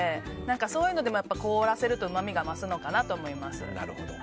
そういうので、凍らせるとうまみが増すのかなと思います。